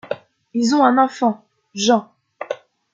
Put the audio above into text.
Ils ont un enfant, Jean.